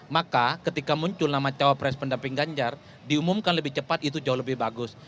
maka ketika muncul nama cawapres pendamping ganjar diumumkan lebih cepat itu jauh lebih bagus